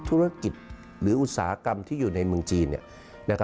ธุรกิจหรืออุตสาหกรรมที่อยู่ในเมืองจีน